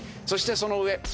そしてその上。